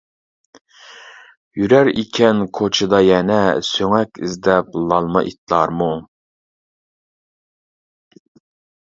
يۈرەر ئىكەن كوچىدا يەنە سۆڭەك ئىزدەپ لالما ئىتلارمۇ.